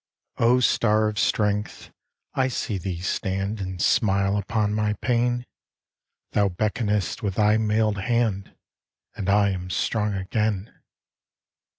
O star of strength! I see thee stand And smile upon my pain; Thou beckonest with thy mailed hand, And I am strong again.